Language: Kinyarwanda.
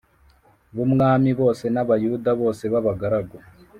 b umwami bose n Abayuda bose b abagaragu